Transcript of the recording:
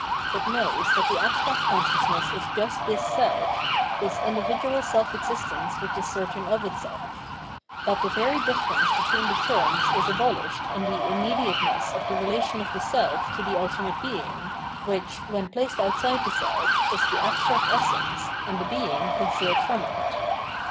It knows that the abstract consciousness is just this self, this individual self existence which is certain of itself : that the very difference between the terms is abolished in the imm^iateness of the relation of the self to the ultimate Being, which, when placed outside the self, is the abstract essence, and a Being concealed from it.